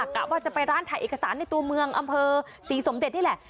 กะว่าจะไปร้านถ่ายเอกสารในตัวเมืองอำเภอศรีสมเด็จนี่แหละ